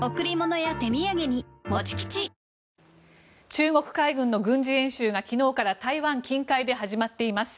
中国海軍の軍事演習が昨日から台湾近海で始まっています。